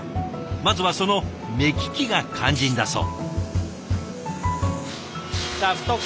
まずはその目利きが肝心だそう。